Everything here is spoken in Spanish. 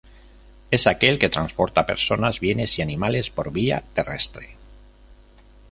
Es aquel que transporta personas, bienes y animales por vía terrestre.